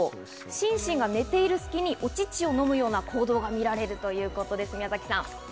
シンシンが寝ている隙にお乳を飲むような行動が見られるということです。